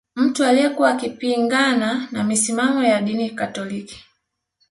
Mtu aliyekuwa akipingana na misimamo ya dini katoliki